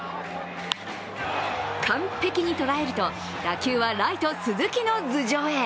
完璧に捉えると打球はライト・鈴木の頭上へ。